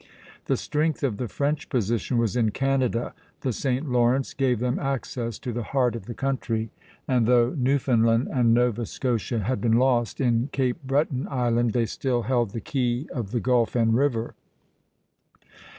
The strength of the French position was in Canada; the St. Lawrence gave them access to the heart of the country, and though Newfoundland and Nova Scotia had been lost, in Cape Breton Island they still held the key of the gulf and river.